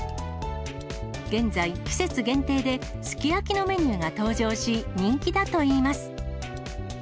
現在、季節限定ですき焼きのメニューが登場し、人気だといいます。